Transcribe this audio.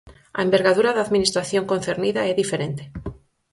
A envergadura da Administración concernida é diferente.